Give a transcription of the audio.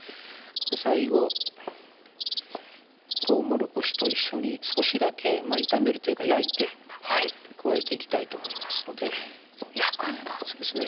最後とうもろこしと一緒に少しだけ炒めるというか焼いて加えていきたいと思いますので焼くんだそうですね